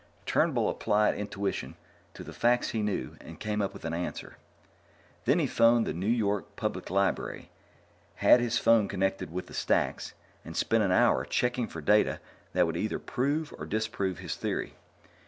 Turnbull applied intuition to the facts he knew and came up with an answer. Then he phoned the New York Public Library, had his phone connected with the stacks, and spent an hour checking for data that would either prove or disprove his theory.